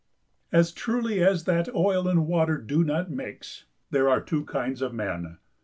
As truly as that oil and water do not mix, there are two kinds of men.